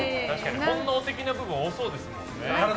本能的な部分多そうですもんね。